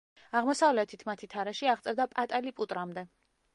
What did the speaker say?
აღმოსავლეთით მათი თარეში აღწევდა პატალიპუტრამდე.